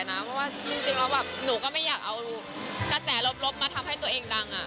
เพราะว่าจริงแล้วแบบหนูก็ไม่อยากเอากระแสลบมาทำให้ตัวเองดัง